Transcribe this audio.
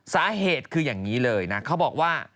สาเหตุคืออย่างนี้เลยนะเขาบอกว่า